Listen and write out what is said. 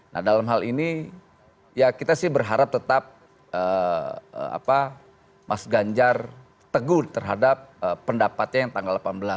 nah dalam hal ini ya kita sih berharap tetap mas ganjar tegur terhadap pendapatnya yang tanggal delapan belas